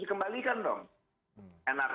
dikembalikan dong enak